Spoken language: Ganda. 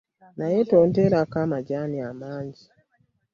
Naye tonteerako majaani mangi.